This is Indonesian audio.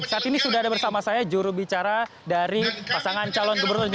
saat ini sudah ada bersama saya jurubicara dari pasangan calon gubernur